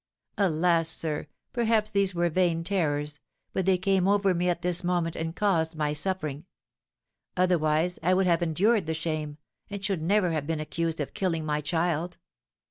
Alas, sir, perhaps these were vain terrors, but they came over me at this moment and caused my suffering; otherwise I would have endured the shame, and should never have been accused of killing my child.